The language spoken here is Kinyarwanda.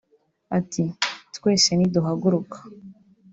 Ati “Twese niduhaguruka